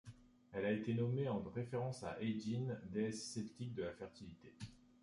Elle a été nommée en référence à Eigin, déesse celtique de la fertilité.